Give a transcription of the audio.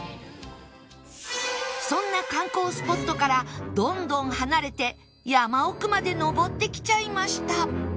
そんな観光スポットからどんどん離れて山奥まで上ってきちゃいました